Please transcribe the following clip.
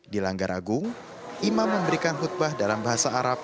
di langgaragung imam memberikan khutbah dalam bahasa arab